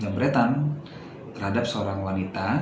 jamretan terhadap seorang wanita